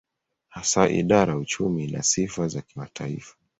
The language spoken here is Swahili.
Hasa idara ya uchumi ina sifa za kimataifa.